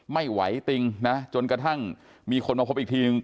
ไม่ไหวติงนะจนกระทั่งมีคนมาพบอีกทีนึง